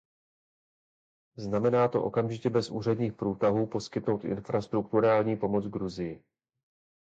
Znamená to okamžitě bez úředních průtahů poskytnout infrastrukturální pomoc Gruzii.